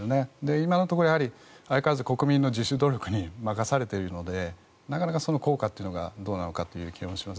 今のところ、相変わらず国民の自主努力に任されているのでなかなかその効果がどうなのかという気がします。